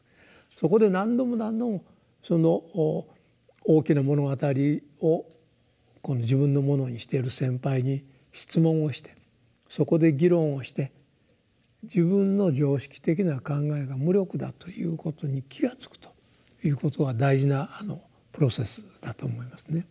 そこで何度も何度もその「大きな物語」を自分のものにしている先輩に質問をしてそこで議論をして自分の常識的な考えが無力だということに気が付くということは大事なプロセスだと思いますね。